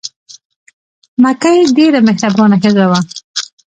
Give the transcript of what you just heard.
مکۍ ډېره مهربانه ښځه وه.